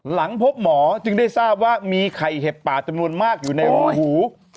หลังพบหมอจึงได้ทราบว่ามีไข่เห็บป่าจำนวนมากอยู่ในรูหู